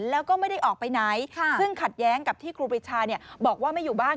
แล้วก็ไม่ได้ออกไปไหนซึ่งขัดแย้งกับที่ครูปริชาบอกว่าไม่อยู่บ้าน